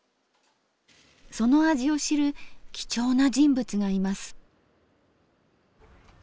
その味を知る貴重な人物がいます。